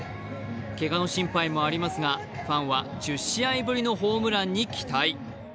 けがの心配もありますが、ファンは１０試合ぶりのホームランに期待。